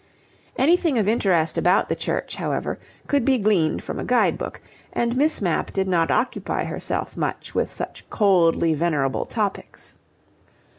Anything of interest about the church, however, could be gleaned from a guidebook, and Miss Mapp did not occupy herself much with such coldly venerable topics.